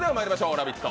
「ラヴィット！」